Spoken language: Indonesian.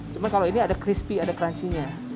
cuma kalau ini ada crispy ada crunchy nya